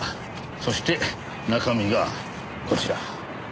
そして中身がこちら。